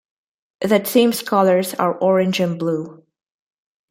The team's colors are orange and blue.